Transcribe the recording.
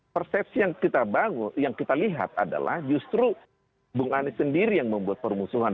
persepsi yang kita lihat adalah justru bung anies sendiri yang membuat permusuhan